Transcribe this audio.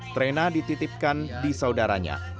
trena dititipkan di saudaranya